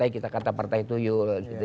kita kata partai tuyul